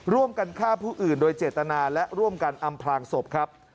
ร่วมกันฆ่าผู้อื่นโดยเจตนาและร่วมกันอำพลางศพครับ